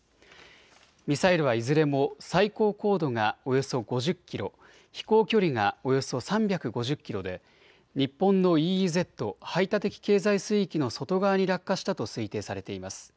ミサイルはいずれも最高高度がおよそ５０キロ、飛行距離がおよそ３５０キロで日本のＥＥＺ・排他的経済水域の外側に落下したと推定されています。